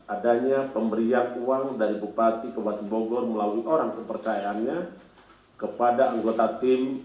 adanya pemberian uang dari bupati kabupaten